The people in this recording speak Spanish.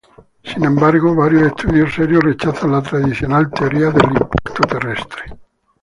Sin embargo, varios estudios serios rechazan la tradicional "teoría de impacto terrestre".